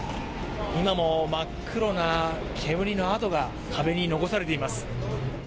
今も真っ黒な煙の跡が壁に残されています。